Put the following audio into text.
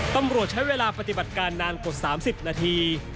ตำรวจใช้เวลาปฏิบัติการนานกว่า๓๐นาที